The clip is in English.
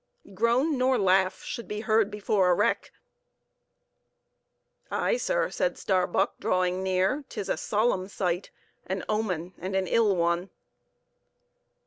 Groan nor laugh should be heard before a wreck." "Aye, sir," said Starbuck drawing near, "'tis a solemn sight; an omen, and an ill one."